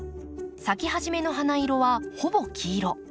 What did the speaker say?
咲き始めの花色はほぼ黄色。